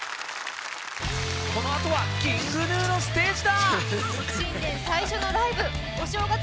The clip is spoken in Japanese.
このあとはＫｉｎｇＧｎｕのステージだ。